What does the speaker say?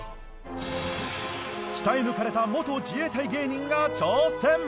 鍛え抜かれた元自衛隊芸人が挑戦！